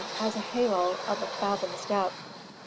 As a halo of a fathom's depth.